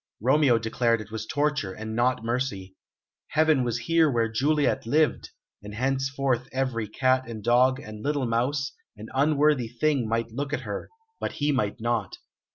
Romeo declared it was torture, and not mercy. Heaven was here where Juliet lived; and henceforth every cat and dog, and little mouse, and unworthy thing, might look at her, but he might not.